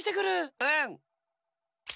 うん！